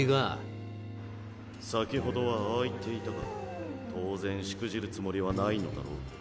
・先ほどはああ言っていたが当然しくじるつもりはないのだろう？